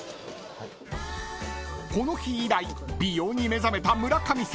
［この日以来美容に目覚めた村神様］